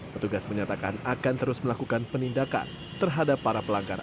petugas menyatakan akan terus melakukan penindakan terhadap para pelanggar